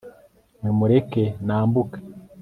nimureke nambuke